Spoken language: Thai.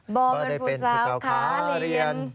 บ่มันเป็นผู้สาวค้าเรียน